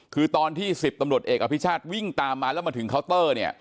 คือตอนที่๑๐ตำรวจเอกอภิชาติวิ่งตามมาแล้วมาถึงเคาน์เตอร์เนี่ย